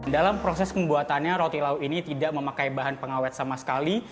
dalam proses pembuatannya roti lau ini tidak memakai bahan pengawet sama sekali